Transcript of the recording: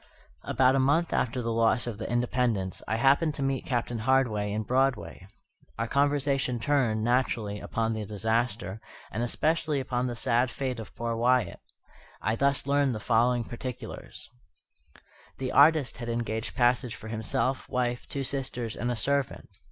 About a month after the loss of the Independence, I happened to meet Captain Hardy in Broadway. Our conversation turned, naturally, upon the disaster, and especially upon the sad fate of poor Wyatt. I thus learned the following particulars: The artist had engaged passage for himself, wife, two sisters, and a servant.